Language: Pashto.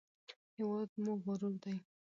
هېواد مو غرور دی